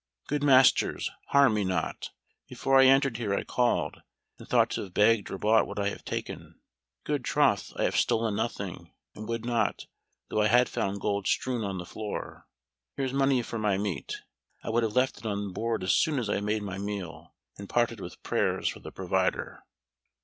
"Good masters, harm me not. Before I entered here, I called, and thought to have begged or bought what I have taken. Good troth, I have stolen nothing, and would not, though I had found gold strewed on the floor. Here's money for my meat; I would have left it on the board as soon as I had made my meal, and parted with prayers for the provider."